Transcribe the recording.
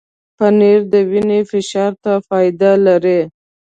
پنېر د وینې فشار ته فایده لري.